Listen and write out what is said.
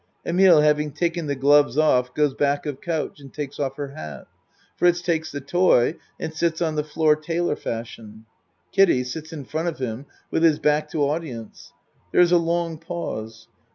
(Emile having taken the gloves off goes back of couch and takes off her hat. Fritz takes the toy and sits on the floor tailor fashion. Kiddie sits in front of him with his back to audience. There is a long pause.